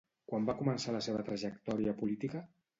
Quan va començar la seva trajectòria política?